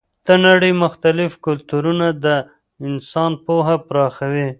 د نړۍ مختلف کلتورونه د انسان پوهه پراخوي.